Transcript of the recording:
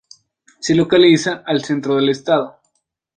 Se localiza al centro del estado.